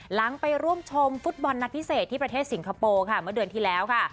หลังไปร่วมชมฟุตบอลนัดพิเศษที่ประเทศสิงคโปร์ค่ะเมื่อเดือนที่แล้วค่ะ